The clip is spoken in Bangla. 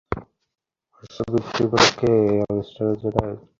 বর্ষপূর্তি উপলক্ষে এ অনুষ্ঠানের আয়োজন করা হয়।